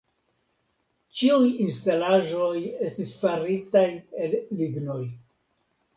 Ĉiuj instalaĵoj estis faritaj el lignoj.